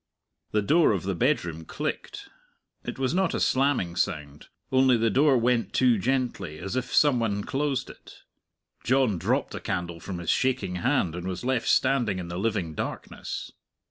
The door of the bedroom clicked. It was not a slamming sound, only the door went to gently, as if some one closed it. John dropped the candle from his shaking hand, and was left standing in the living darkness.